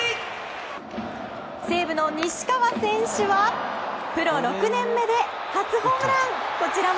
西武の西川選手はプロ６年目で初ホームラン。